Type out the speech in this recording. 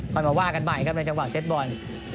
ค่อยมาว่ากันใหม่ครับในจังหวะเซตบอล